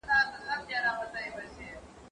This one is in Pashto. زه کښېناستل نه کوم!!